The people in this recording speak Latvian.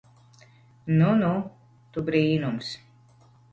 Nu nu tu brīnums.